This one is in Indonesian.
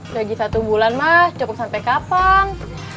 lagi satu bulan mah cukup sampai kapan